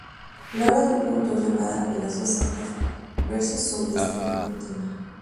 La obra del mismo autor llamada "Las dos sendas" versa sobre este mismo tema.